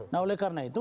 nah oleh karena itu